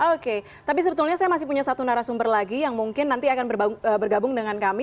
oke tapi sebetulnya saya masih punya satu narasumber lagi yang mungkin nanti akan bergabung dengan kami